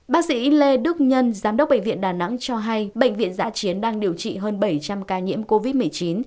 bác sĩ lê đức nhân giám đốc bệnh viện đà nẵng cho hay bệnh viện giã chiến đang điều trị hơn bảy trăm linh ca nhiễm covid một mươi chín